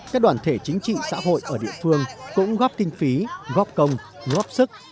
các đoàn thể chính trị xã hội ở địa phương cũng góp kinh phí góp công góp sức